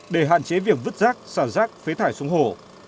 để hạn chế việc vứt rác xả rác phế thải xuống hồ